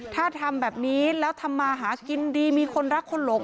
ถ้าทำแบบนี้แล้วทำมาหากินดีมีคนรักคนหลง